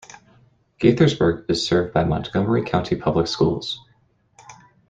Gaithersburg is served by Montgomery County Public Schools.